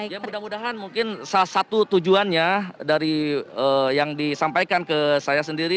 ya mudah mudahan mungkin salah satu tujuannya dari yang disampaikan ke saya sendiri